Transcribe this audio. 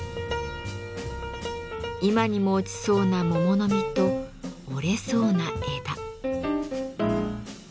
今にも落ちそうな桃の実と折れそうな枝。